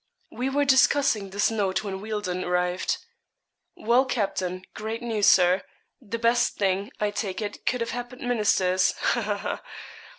"' We were discussing this note when Wealdon arrived. 'Well, captain; great news, Sir. The best thing, I take it, could have happened ministers, ha, ha, ha!